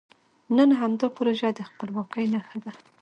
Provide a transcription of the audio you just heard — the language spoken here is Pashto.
نن همدا پروژه د خپلواکۍ نښه ده.